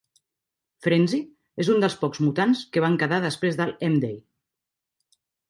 Frenzy és un dels pocs mutants que van quedar després del M-Day.